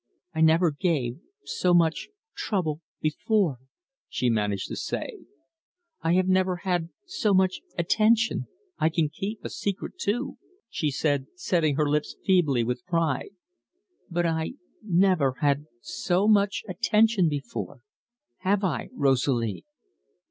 "I never gave so much trouble before," she managed to say. "I never had so much attention.... I can keep a secret too," she said, setting her lips feebly with pride. "But I never had so much attention before; have I Rosalie?"